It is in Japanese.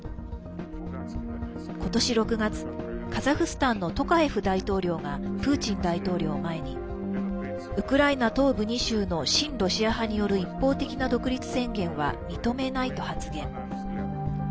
今年６月、カザフスタンのトカエフ大統領がプーチン大統領を前にウクライナ東部２州の親ロシア派による一方的な独立宣言は認めないと発言。